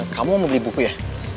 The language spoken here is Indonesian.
kamu mau beli buku ya